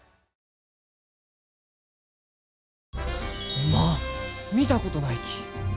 おまん見たことないき。